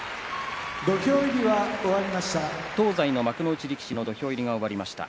東西の幕内力士の土俵入りが終わりました。